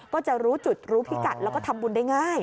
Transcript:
ก็จะรู้จุดรู้พิกัดแล้วก็ทำบุญได้ง่าย